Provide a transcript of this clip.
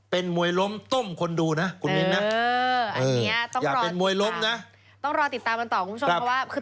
เป็นมวยล้มตุ้มคนดูนะกูนินต้องรอติดตามมันต่อบอกคุณผู้ชม